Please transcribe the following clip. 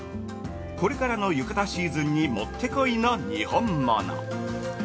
これからの浴衣シーズンにもってこいの、にほんもの。